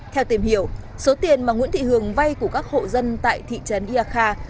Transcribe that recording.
theo tìm hiểu số tiền mà nguyễn thị hường vay của các hộ dân tại thị trấn ia kha